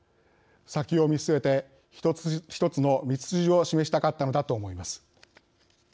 先を見据えて１つの道筋を示したかったのだと思います。